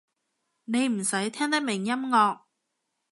你唔使聽得明音樂